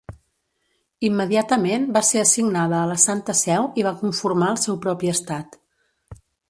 Immediatament va ser assignada a la Santa Seu i va conformar el seu propi estat.